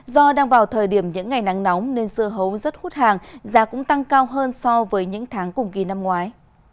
do đang vào thời điểm những ngày nắng nóng nên dưa hấu rất hút hàng giá cũng tăng cao hơn so với những tháng cùng kỳ năm ngoái